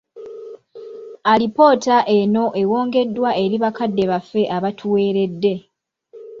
Alipoota eno ewongeddwa eri bakadde baffe abatuweeredde.